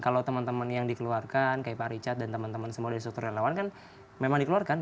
kalau teman teman yang dikeluarkan kayak pak richard dan teman teman semua dari struktur relawan kan memang dikeluarkan